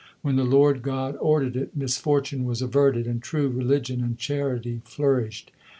When the Lord God ordered it, misfortune was averted, and true religion and charity flourished.